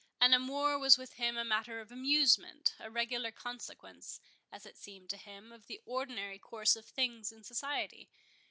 An amour was with him a matter of amusement, a regular consequence, as it seemed to him, of the ordinary course of things in society.